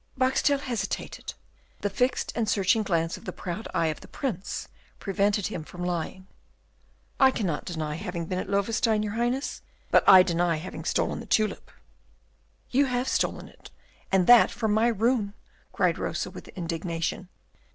Boxtel hesitated; the fixed and searching glance of the proud eye of the Prince prevented him from lying. "I cannot deny having been at Loewestein, your Highness, but I deny having stolen the tulip." "You have stolen it, and that from my room," cried Rosa, with indignation.